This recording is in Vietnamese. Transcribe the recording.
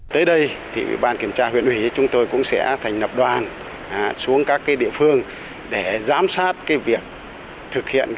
tới đây thì ủy ban kiểm tra huyện ủy chúng tôi cũng sẽ thành lập đoàn xuống các địa phương để giám sát việc thực hiện